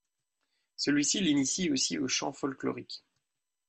Celui-ci l'initie aussi au chant folklorique.